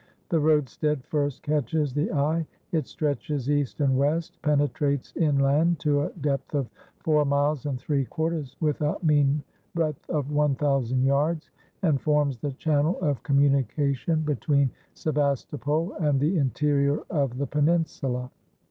The roadstead first catches the eye; it stretches east and west, penetrates inland to a depth of four miles and three quarters, with a mean breadth of 1,000 yards; and forms the channel of communication between Sevastopol and the interior of the peninsula.